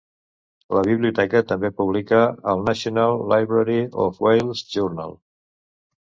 La Biblioteca també publica el "National Library of Wales Journal".